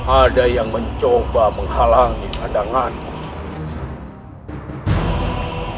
ada yang mencoba menghalangi pandanganmu